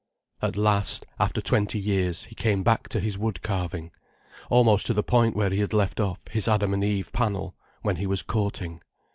At last, after twenty years, he came back to his woodcarving, almost to the point where he had left off his Adam and Eve panel, when he was courting.